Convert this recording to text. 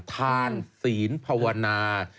ทานศีลภาวนา